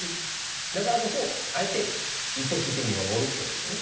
だからこそあえて一歩引いて見守るってことですよね。